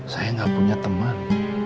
saya gak punya teman